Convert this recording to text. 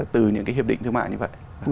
từ những cái hiệp định thương mại như vậy